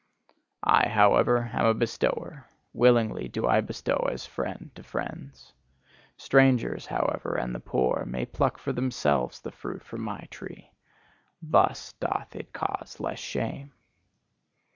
I, however, am a bestower: willingly do I bestow as friend to friends. Strangers, however, and the poor, may pluck for themselves the fruit from my tree: thus doth it cause less shame.